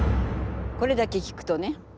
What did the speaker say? これだけ聞くとね。